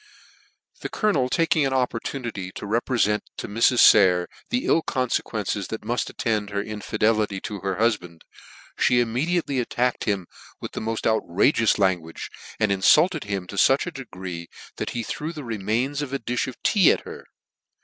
The colonel taking an opportunity to reprefent to Mrs. Sayer the ill confequences that muft attend her infidelity to her hufband, Ihe immediately at tacked him with the mod outrageous language, and inlulted him to that degree chat he threw the remains of a dilh of tea ac her.